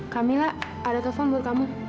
camilla ada telepon buat kamu